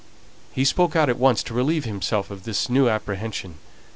He spoke out at once to relieve himself of this new apprehension.